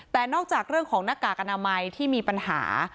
แต่นอกจากเรื่องของหน้ากากอนามัยที่มีปัญหา